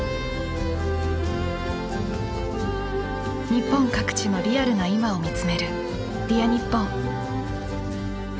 日本各地のリアルな今を見つめる「Ｄｅａｒにっぽん」。